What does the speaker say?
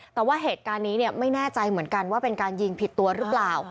แต่ว่าเหตุการณ์นี้ไม่แน่ใจเหมือนกันว่าเป็นการยิงผิดตัวหรือเปล่า